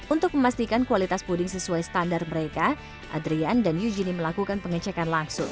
untuk memastikan kualitas puding sesuai standar mereka adrian dan eugenie melakukan pengecekan langsung